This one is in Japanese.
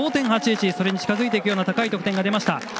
それに近づいていくような高い得点が出ました。